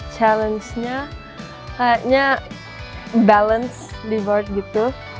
challengenya kayaknya balance di board gitu